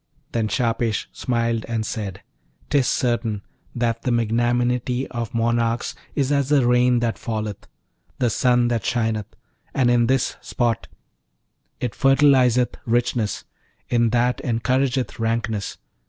Then Shahpesh smiled and said, ''Tis certain that the magnanimity of monarchs is as the rain that falleth, the sun that shineth: and in this spot it fertilizeth richness; in that encourageth rankness.